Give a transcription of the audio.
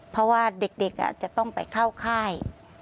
เพราะว่าเด็กจะต้องไปเข้าค่าย